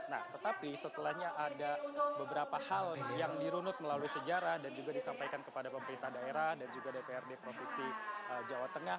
nah tetapi setelahnya ada beberapa hal yang dirunut melalui sejarah dan juga disampaikan kepada pemerintah daerah dan juga dprd provinsi jawa tengah